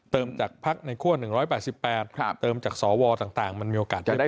เติมจากภักดิ์ในขั้ว๑๘๘เติมจากสวต่างมันมีโอกาสได้เป็นได้